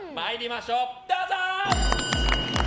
どうぞ！